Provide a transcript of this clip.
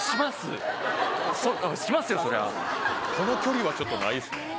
その距離はちょっとないっすね。